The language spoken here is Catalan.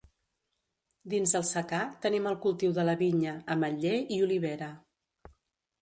Dins el secà tenim el cultiu de la vinya, ametller i olivera.